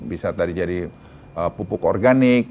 bisa tadi jadi pupuk organik